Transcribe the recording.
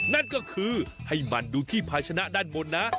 นั่นก็คือให้มันดูที่ภาชนะด้านบนนะ